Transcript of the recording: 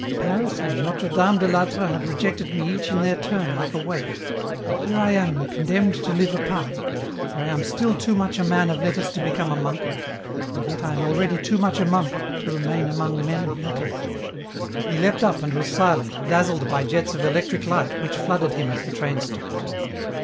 Paris and Notre Dame da I'Atre have rejected me each in their turn like a waif, and here I am condemned to live apart, for I am still too much a man of letters to become a monk, and yet I am already too much a monk to remain among men of letters." He leapt up and was silent, dazzled by jets of electric light which flooded him as the train stopped.